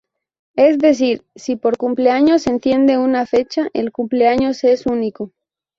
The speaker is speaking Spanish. Es decir, si por cumpleaños se entiende una fecha, el cumpleaños es único.